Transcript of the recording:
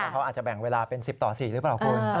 เขาอาจจะแบ่งเวลาเป็น๑๐ต่อ๔หรือเปล่าคุณ